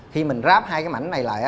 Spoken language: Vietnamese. khi mình ráp hai cái mảnh này lại